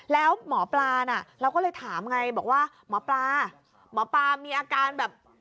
แล้วหมอปลาน่ะเราก็เลยถามไงบอกว่าหมอปลาหมอปลามีอาการแบบ